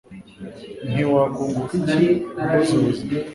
nti wakunguka iki mbuze ubuzima